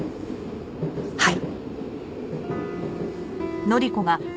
はい。